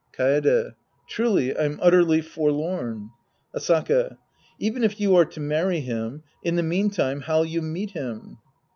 Kaede. Truly I'm utterly forlorn. Asaka. Even if you are to marry him, in the meantime how'll you meet him